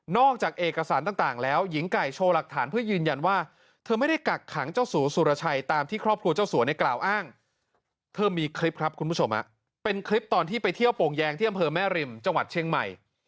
นอกจากเอกสารต่างแล้วหญิงไก่โชว์หลักฐานเพื่อยืนยันว่า